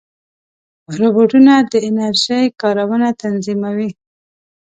روبوټونه د انرژۍ کارونه تنظیموي.